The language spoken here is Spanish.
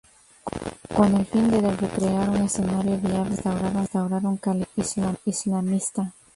Con el fin de recrear un escenario viable para instaurar un califato islamista.